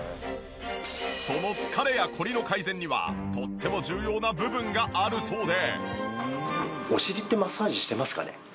その疲れやコリの改善にはとっても重要な部分があるそうで。